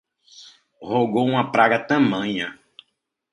Rogou uma praga tamanha